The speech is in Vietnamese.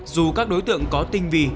dù các đối tượng có tinh vì